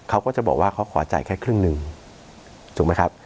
เขาก็จะบอกว่าเขาขอจ่ายแค่ครึ่งหนึ่งถูกไหมครับ